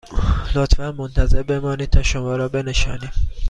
لطفاً منتظر بمانید تا شما را بنشانیم